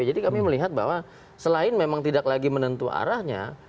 jadi kami melihat bahwa selain memang tidak lagi menentu arahnya